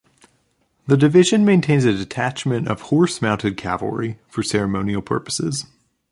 The division maintains a detachment of horse-mounted cavalry for ceremonial purposes.